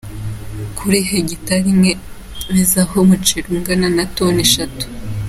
Kuri hegitari imwe bezaho umuceri ungana na toni esheshatu.